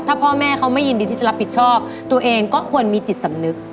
ถ้าพ่อแม่เขาไม่ยินดีที่จะรับผิดชอบตัวเองก็ควรมีจิตสำนึก